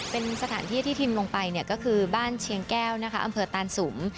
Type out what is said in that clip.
เป็นสถานที่ที่ทีมลงไปเนี่ยก็คือบ้านเชียงแก้วนะคะอำเภอตานสุม